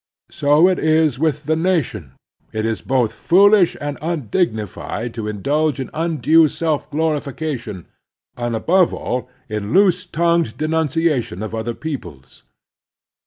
So it is with the nation. It is both foolish and undignified to indulge in undue self glorifica tion, and, above all, in loose tongued denuncia tion of other peoples.